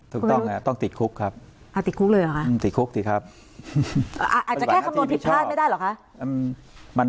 ถูกต้องต้องติดคุกครับติดคุกเลยเหรอคะต้องติดคุกสิครับอาจจะแค่คำนวณผิดพลาดไม่ได้เหรอคะ